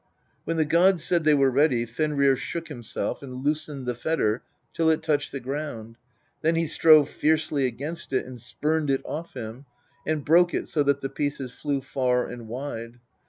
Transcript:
When the gods said they were ready Fenrir shook himself, and loosened the fetter till it touched the ground ; then he strove fiercely against it and spurned it off him, and broke it so that the pieces flew far and wide.